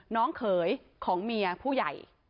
เขยของเมียผู้ใหญ่